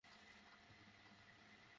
জাদু আমার দুই চোখের বিষ।